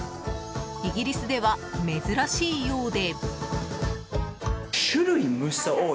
イギリスでは珍しいようで。